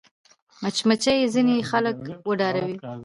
مچمچۍ ځینې خلک وډاروي